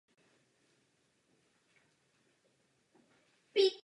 Podívejte se na Indii.